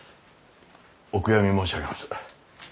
お悔やみ申し上げます。